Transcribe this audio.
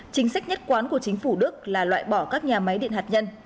chính sách nhất quán của chính phủ đức là loại bỏ các nhà máy điện hạt nhân